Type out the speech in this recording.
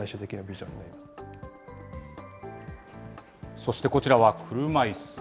そしてこちらは車いす。